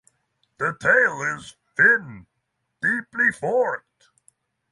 The tail is fin deeply forked.